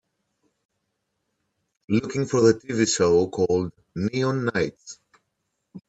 Looking for the TV show called Neon Nights